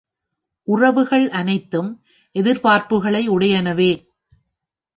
உறவுகள் அனைத்தும் எதிர்பார்ப்புகளை உடையனவே.